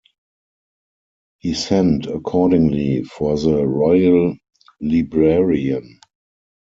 He sent accordingly for the Royal Librarian.